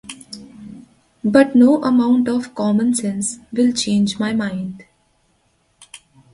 But no amount of common sense will change my mind.